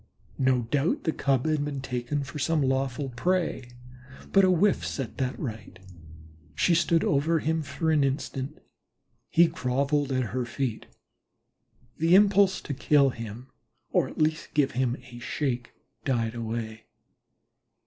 No doubt the Cub had been taken for some lawful prey, but a whiff set that right. She stood over him for an instant. He grovelled at her feet. The impulse to kill him or at least give him a shake died away.